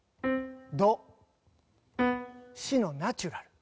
シのナチュラル。